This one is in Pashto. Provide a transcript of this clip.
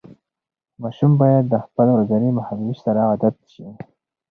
ماشوم باید د خپل ورځني مهالوېش سره عادت شي.